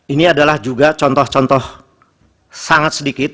ini adalah juga contoh contoh sangat sedikit